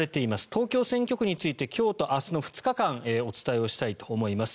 東京選挙区について今日と明日の２日間お伝えしたいと思います。